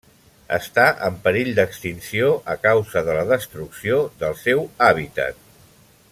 Està en perill d'extinció a causa de la destrucció del seu hàbitat.